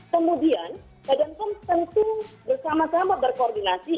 kemudian badan pom tentu bersama sama berkoordinasi